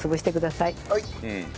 はい。